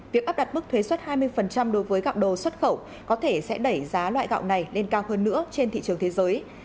việc áp đặt mức thuế xuất hai mươi đối với gạo đồ xuất khẩu có thể sẽ đẩy giá loại gạo này lên cao hơn nữa trên thị trường thế giới